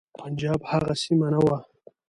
پنجاب هغه سیمه نه وه.